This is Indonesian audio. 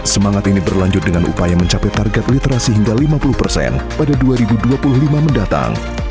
semangat ini berlanjut dengan upaya mencapai target literasi hingga lima puluh persen pada dua ribu dua puluh lima mendatang